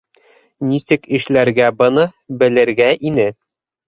Нисек эшләргә быны, белергә ине.